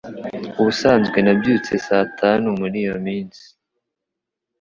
Ubusanzwe nabyutse saa tanu muri iyo minsi